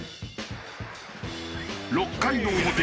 ６回の表